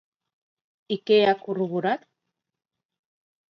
I què ha corroborat?